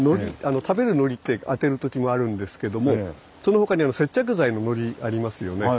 食べる「海苔」って当てるときもあるんですけどもその他に接着剤の「糊」ありますよね。